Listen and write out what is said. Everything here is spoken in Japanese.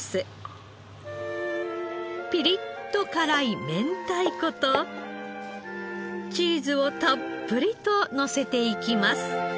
ピリッと辛い明太子とチーズをたっぷりとのせていきます。